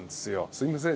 すいません